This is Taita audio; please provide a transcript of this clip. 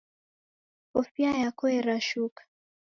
Kofia yako yerashuka